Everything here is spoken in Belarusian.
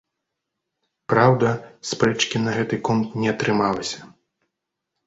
Праўда, спрэчкі на гэты конт не атрымалася.